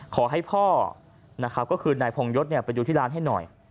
ขอให้พ่อนะครับก็คือนายพงยศไปดูที่ร้านให้หน่อย